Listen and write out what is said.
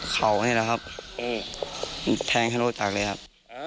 เข่านี่แหละครับแทงทะลุจากเลยครับ